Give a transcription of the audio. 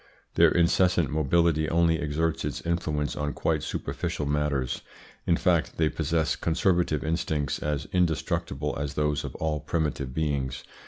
Their incessant mobility only exerts its influence on quite superficial matters. In fact they possess conservative instincts as indestructible as those of all primitive beings.